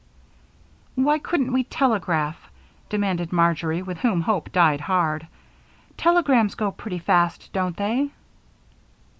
"Why couldn't we telegraph?" demanded Marjory, with whom hope died hard. "Telegrams go pretty fast, don't they?"